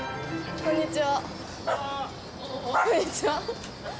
こんにちは。